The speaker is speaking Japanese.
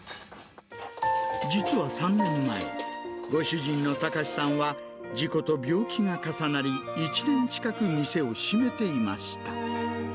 実は３年前、ご主人の孝さんは事故と病気が重なり、１年近く店を閉めていました。